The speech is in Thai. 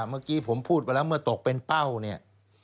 เมื่อกี้ผมพูดไปแล้วเมื่อตกเป็นเป้าเนี่ย